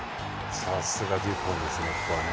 さすがデュポンですね。